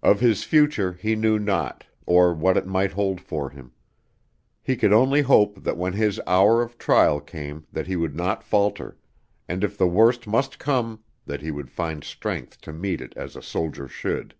Of his future he knew not, or what it might hold for him. He could only hope that when his hour of trial came that he would not falter, and if the worst must come that he would find strength to meet it as a soldier should.